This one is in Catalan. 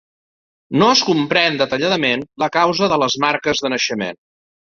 No es comprèn detalladament la causa de les marques de naixement.